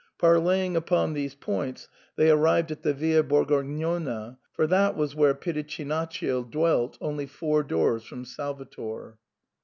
Parleying upon these points they arrived at the Via Bergognona, for that was where Pitichinaccio dwelt, only four doors from Salvator.